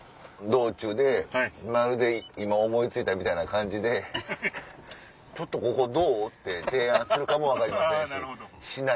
道中で今思い付いた！みたいな感じでちょっとここどう？って提案するかも分かりませんし。